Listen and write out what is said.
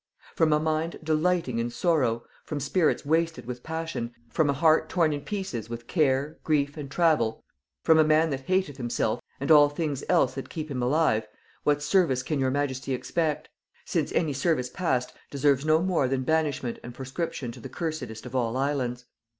"From a mind delighting in sorrow, from spirits wasted with passion, from a heart torn in pieces with care grief and travel, from a man that hateth himself and all things else that keep him alive, what service can your majesty expect; since any service past deserves no more than banishment and proscription to the cursedest of all islands?